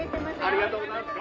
「ありがとうございます」